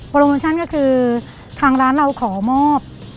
โมชั่นก็คือทางร้านเราขอมอบ